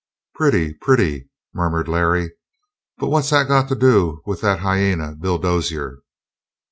"Pretty, pretty!" murmured Larry. "But what's that got to do with that hyena, Bill Dozier?"